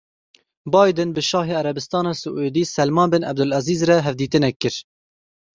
Biden bi Şahê Erebistana Siûdî Selman bin Ebdulezîz re hevdîtinek kir.